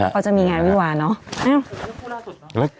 เขาจะมีงานวิวาเนอะ